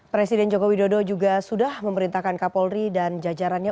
presiden joko widodo juga sudah memerintahkan kapolri dan jajarannya